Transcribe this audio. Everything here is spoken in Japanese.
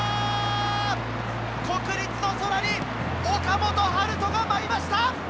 国立の空に岡本温叶が舞いました！